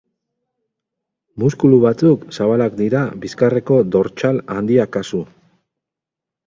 Muskulu batzuk zabalak dira bizkarreko dortsal handia kasu.